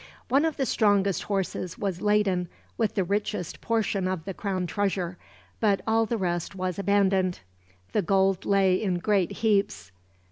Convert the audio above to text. One of the strongest horses was laden with the richest portion of the crown treasure, but all the rest was abandoned. The gold lay in great heaps.